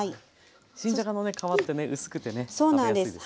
新じゃがのね皮ってね薄くて食べやすいですね。